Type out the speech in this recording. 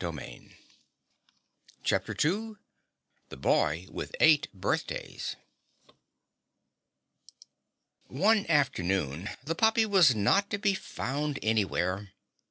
CHAPTER II THE BOY WITH EIGHT BIRTHDAYS One afternoon the puppy was not to be found anywhere.